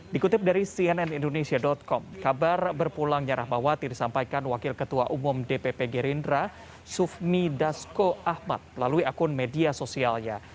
dikutip dari cnn indonesia com kabar berpulangnya rahmawati disampaikan wakil ketua umum dpp gerindra sufmi dasko ahmad lalui akun media sosialnya